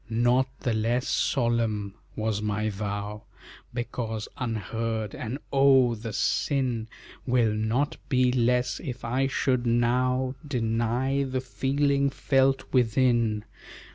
Not the less solemn was my vow Because unheard, and oh! the sin Will not be less, if I should now Deny the feeling felt within.